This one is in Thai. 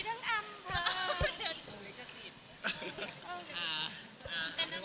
สนุกแน่นอน